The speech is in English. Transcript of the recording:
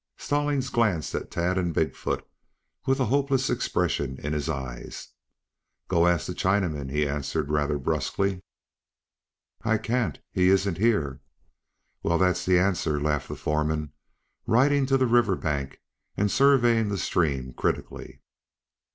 Stallings glanced at Tad and Big foot, with a hopeless expression in his eyes. "Go ask the Chinaman," he answered rather brusquely. "I can't. He isn't here." "Well, that's the answer," laughed the foreman, riding to the river bank and surveying the stream critically.